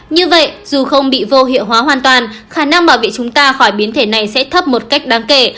như vậy dù không bị vô hiệu hóa hoàn toàn khả năng bảo vệ chúng ta khỏi biến thể này sẽ thấp một cách đáng kể